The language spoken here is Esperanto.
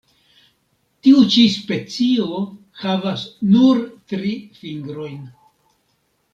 Tiu ĉi specio havas nur tri fingrojn.